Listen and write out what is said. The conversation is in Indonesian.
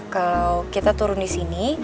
kalau kita turun di sini